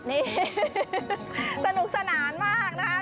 นี่สนุกสนานมากนะคะ